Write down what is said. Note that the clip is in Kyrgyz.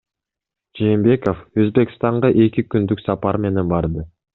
Жээнбеков Өзбекстанга эки күндүк сапар менен барды.